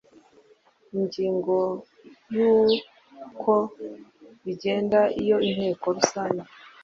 Ingingo ya Uko bigenda iyo Inteko Rusange